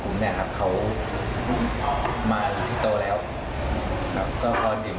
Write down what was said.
คุณพี่เขาเข้ามาแยกออกครับ